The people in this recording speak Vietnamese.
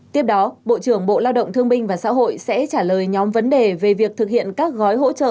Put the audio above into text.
tiếp đó bộ trưởng bộ lao động thương binh và xã hội sẽ trả lời nhóm vấn đề về việc thực hiện các gói hỗ trợ